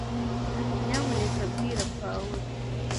nyamuneka bwira pawulo